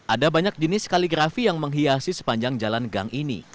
ada banyak jenis kaligrafi yang menghiasi sepanjang jalan gang ini